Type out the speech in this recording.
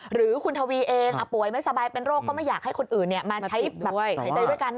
หรือคุณทวีเองป่วยไม่สบายเป็นโรคก็ไม่อยากให้คนอื่นมาใช้แบบหายใจด้วยกัน